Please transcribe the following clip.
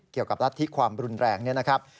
เกี่ยวกับรัฐทิคความรุนแรงนี้นะครับ